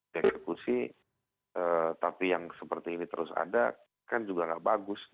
dieksekusi tapi yang seperti ini terus ada kan juga nggak bagus